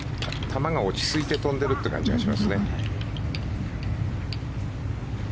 球が落ち着いて飛んでるという感じがしますね。